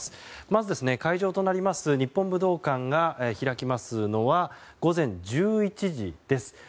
まず、会場となります日本武道館が開きますのは午前１１時です。